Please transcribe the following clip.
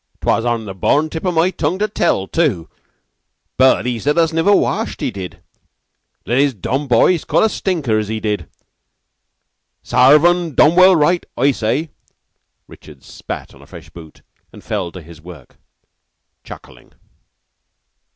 'Twas on the born tip o' my tongue to tell, tu, but... he said us niver washed, he did. Let his dom boys call us 'stinkers,' he did. Sarve un dom well raight, I say!" Richards spat on a fresh boot and fell to his work, chuckling.